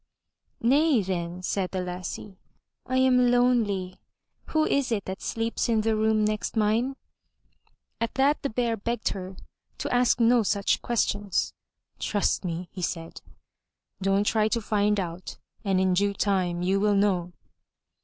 "Nay then,'' said the lassie, ''I am lonely. Who is it that sleeps in the room next mine?'' At that the Bear begged her to ask no such questions. "Trust me," he said. "Don't try to find out and in due time you will know."